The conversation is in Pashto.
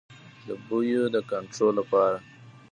د بیو د کنټرول لپاره.